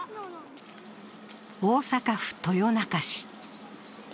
大阪府豊中市。